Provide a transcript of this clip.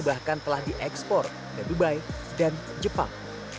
bahkan telah diekspor ke dubai dan jepang